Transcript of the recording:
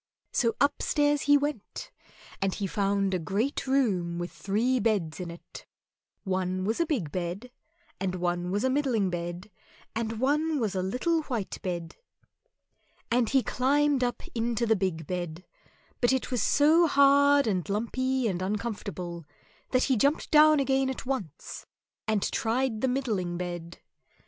So upstairs he went, and he found a great room with three beds in it; one was a big bed, and one was a middling bed, and one was a little white bed; and he climbed up into the big bed, but it was so hard and lumpy and uncomfortable that he jumped down again at once, and tried the middling bed.